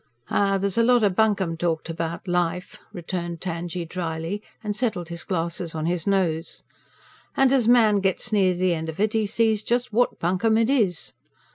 "Ah, there's a lot of bunkum talked about life," returned Tangye dryly, and settled his glasses on his nose. "And as man gets near the end of it, he sees just WHAT bunkum it is.